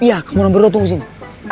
iya kamu orang berdua tunggu disini